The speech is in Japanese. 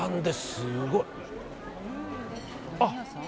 すごい。